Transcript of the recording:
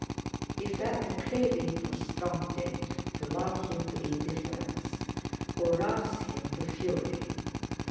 He felt a craving for strong drink, to lull him to indifference, or rouse him to fury.